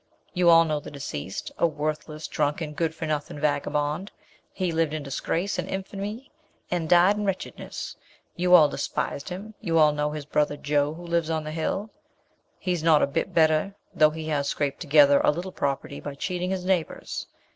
You all know the deceased a worthless, drunken, good for nothing vagabond. He lived in disgrace and infamy, and died in wretchedness. You all despised him you all know his brother Joe, who lives on the hill? He's not a bit better though he has scrap'd together a little property by cheating his neighbours.